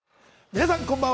皆さん、こんばんは。